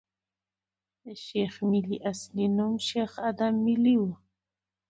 د شېخ ملي اصلي نوم شېخ ادم ملي ؤ.